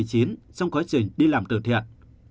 trong quá trình đi làm tự thiện